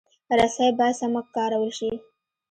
رسۍ باید سمه کارول شي.